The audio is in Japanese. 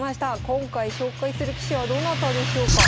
今回紹介する棋士はどなたでしょうか？